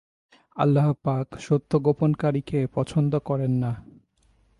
আল্লাহুপাক সত্য গোপনকারীকে পছন্দ করেন না।